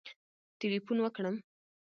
ټلېفون وکړم